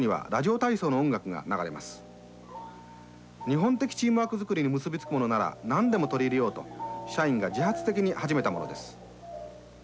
日本的チームワーク作りに結び付くものなら何でも取り入れようと社員が自発的に始めたものです。